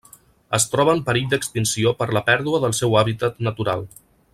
Es troba en perill d'extinció per la pèrdua del seu hàbitat natural.